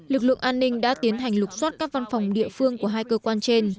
lực lượng an ninh đã tiến hành lục xoát các văn phòng địa phương của hai cơ quan trên